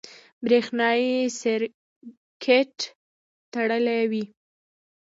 برېښنایي سرکټ تړلی وي.